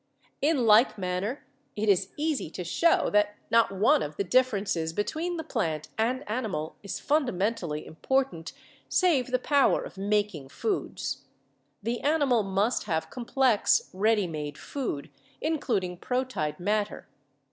In like manner it is easy to show that not one of the differences between the plant and animal is fundamentally important save the power of making foods. The animal must have complex ready made food, including proteid matter.